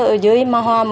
ở dưới ma hoa